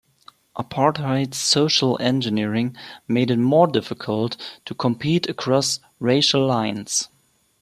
Apartheid's social engineering made it more difficult to compete across racial lines.